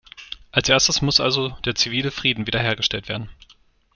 Als erstes muss also der zivile Frieden wiederhergestellt werden.